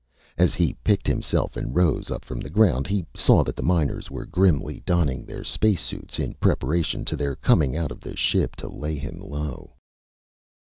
As he picked himself and Rose up from the ground, he saw that the miners were grimly donning their space suits, in preparation to their coming out of the ship to lay him low.